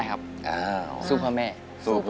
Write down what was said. ขอบคุณครับ